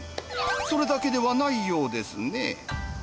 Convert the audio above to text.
それだけではないようですね。